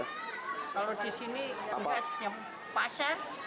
kalau di sini tugasnya pasar